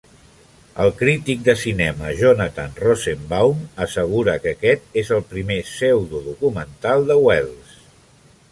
El crític de cinema Jonathan Rosenbaum assegura que aquest és el primer pseudodocumental de Welles.